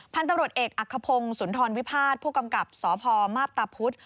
พันธุ์ตำรวจเอกอักขพงศ์สุนทรวิพาทผู้กำกับสพมาพตาพุธ